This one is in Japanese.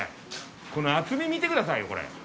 この厚み見てくださいよこれ。